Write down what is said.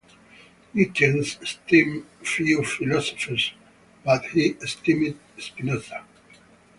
Nietzsche esteemed few philosophers, but he esteemed Spinoza.